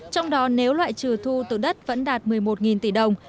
trong đó nếu loại trừ thu từ đất vẫn đạt một mươi một tỷ đồng